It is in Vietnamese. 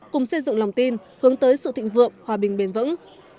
cùng xây dựng lòng tin hướng tới sự thịnh vượng hòa bình bền vững